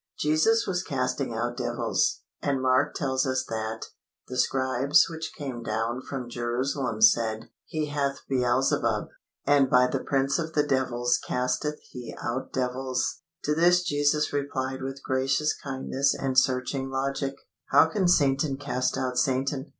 Jesus was casting out devils, and Mark tells us that "the scribes which came down from Jerusalem said, He hath Beelzebub, and by the prince of the devils casteth He out devils." To this Jesus replied with gracious kindness and searching logic: "How can Satan cast out Satan?